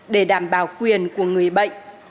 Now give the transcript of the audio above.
để đảm bảo quyền của người bệnh